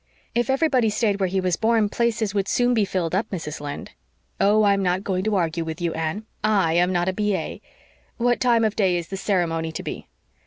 "If everybody stayed where he was born places would soon be filled up, Mrs. Lynde." "Oh, I'm not going to argue with you, Anne. I am not a B.A. What time of the day is the ceremony to be?"